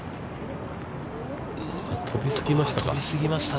飛びすぎましたか。